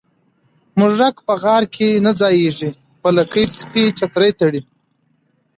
ـ موږک په غار کې نه ځايږي، په لکۍ پسې چتر تړي.